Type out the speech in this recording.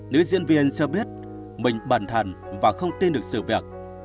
nữ diễn viên cho biết mình bẩn thần và không tin được sự việc